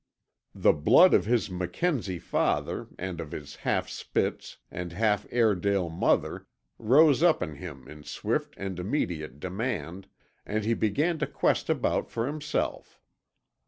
The blood of his Mackenzie father and of his half Spitz and half Airedale mother rose up in him in swift and immediate demand, and he began to quest about for himself.